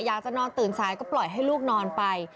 อยากจะนอนตื่นสายก็ปล่อยให้ลูกนอนไป